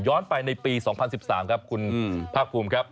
ไปในปี๒๐๑๓ครับคุณภาคภูมิครับ